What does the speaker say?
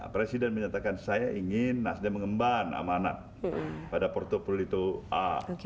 presiden menyatakan saya ingin nasdem mengemban amanat pada portfolio a